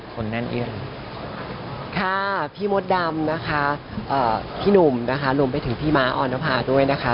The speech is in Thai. คนแน่นเอี่เลยค่ะพี่มดดำนะคะพี่หนุ่มนะคะรวมไปถึงพี่ม้าออนภาด้วยนะคะ